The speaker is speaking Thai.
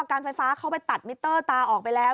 การไฟฟ้าเขาไปตัดมิเตอร์ตาออกไปแล้ว